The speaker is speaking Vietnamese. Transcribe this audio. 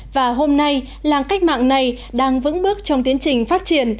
và hôm nay làng cách mạng này đang vững bước trong tiến trình phát triển